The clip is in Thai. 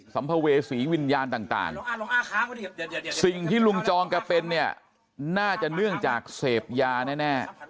ัมภเวษีวิญญาณต่างสิ่งที่ลุงจองแกเป็นเนี่ยน่าจะเนื่องจากเสพยาแน่